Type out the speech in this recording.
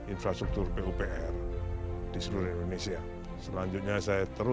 infrastruktur pupr di seluruh indonesia selanjutnya saya terus mengajak kita semua